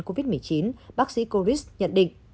covid một mươi chín bác sĩ coris nhận định